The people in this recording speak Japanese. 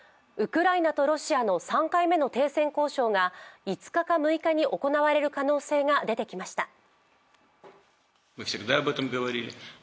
ウクライナとロシアの３回目の停戦交渉が５日か６日に行われる可能性が出てきました。